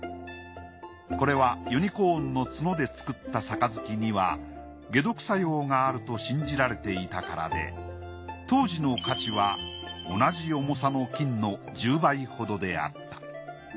これはユニコーンの角で作った盃には解毒作用があると信じられていたからで当時の価値は同じ重さの金の１０倍ほどであった。